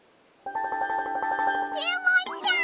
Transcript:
レモンちゃん！